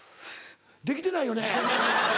できてないよね。